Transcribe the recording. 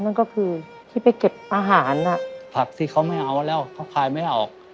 นั่นก็คือที่ไปเก็บอาหารผักที่เขาไม่เอาแล้วเขาขายไม่ออก